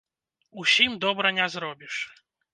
Усім добра не зробіш.